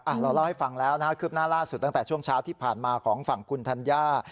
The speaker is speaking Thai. เราเล่าให้ฟังแล้วนะครับคืบหน้าล่าสุดตั้งแต่ช่วงเช้าที่ผ่านมาของฝั่งคุณธัญญา